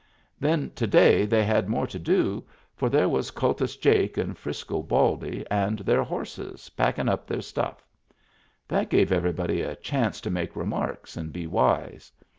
Then to day they had more to do, for there was Kultus Jake and Frisco Baldy and their horses, packin' up their stuff. That gave everybody a chance to make remarks and be wise.